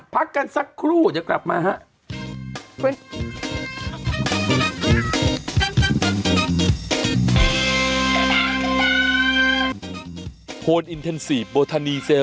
พักกันสักครู่จะกลับมาฮะ